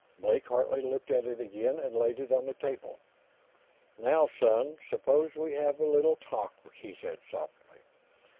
Blake Hartley looked at it again, and laid it on the table. "Now, son, suppose we have a little talk," he said softly.